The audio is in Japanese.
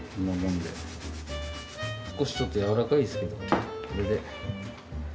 少しちょっと柔らかいですけどこれで。